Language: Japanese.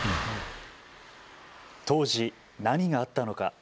当時、何があったのか。